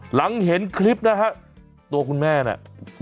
หลังเห็นคลิปนะฮะตัวคุณแม่เนี่ย